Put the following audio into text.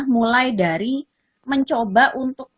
mulai dari mencoba untuk